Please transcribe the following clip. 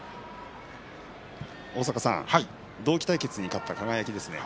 同期対決に勝った輝です。